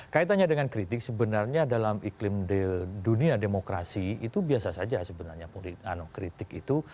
kaitannya dengan kritik sebenarnya dalam iklim di dunia demokrasi itu biasa saja sebenarnya kritik itu